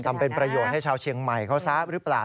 ทำเป็นประโยชน์ให้ชาวเชียงใหม่เขาซะหรือเปล่า